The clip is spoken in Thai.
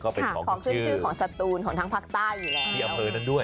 ก็เป็นของชื่อของสตูนของทางภาคใต้อยู่แล้ว